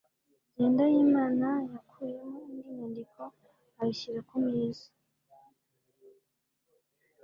Jyendayimana yakuyemo indi nyandiko ayishyira ku meza.